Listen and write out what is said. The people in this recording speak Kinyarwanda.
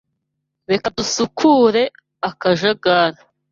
Reka dusukure akajagari.